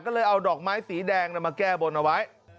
ก็เลยเอาดอกไม้สีแดงมาแก้บนเอาไว้